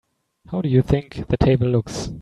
How do you think the table looks?